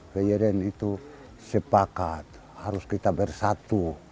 bayeren itu sepakat harus kita bersatu